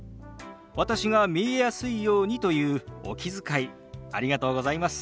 私が見えやすいようにというお気遣いありがとうございます。